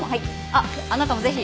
あっあなたもぜひ。